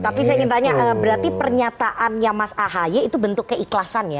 tapi saya ingin tanya berarti pernyataannya mas ahaye itu bentuk keikhlasan ya